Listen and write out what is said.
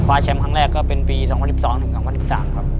แชมป์ครั้งแรกก็เป็นปี๒๐๑๒ถึง๒๐๑๓ครับ